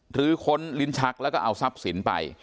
ค้นลิ้นชักแล้วก็เอาทรัพย์สินไป